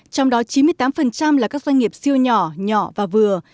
trong đó chín mươi tám là các doanh nghiệp siêu nhỏ nhỏ và vừa